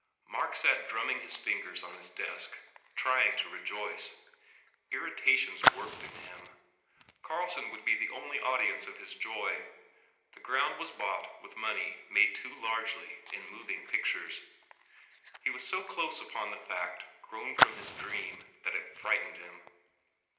Mark sat drumming his fingers on his desk, trying to rejoice. Irritations worked in him; Carlson would be the only audience of his joy; the ground was bought with money made too largely in moving pictures. He was so close upon the fact grown from his dream that it frightened him.